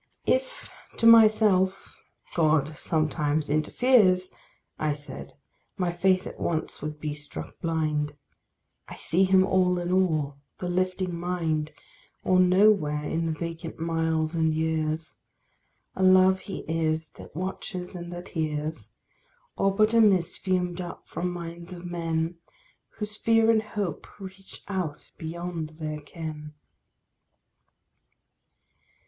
If to myself "God sometimes interferes" I said, my faith at once would be struck blind. I see him all in all, the lifing mind, Or nowhere in the vacant miles and years. A love he is that watches and that hears, Or but a mist fumed up from minds of men, Whose fear and hope reach out beyond their ken.